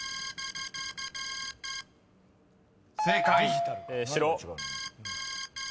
［正解］